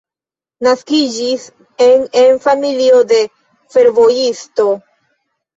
Naskiĝis en en familio de fervojisto.